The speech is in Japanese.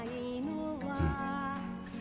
うん。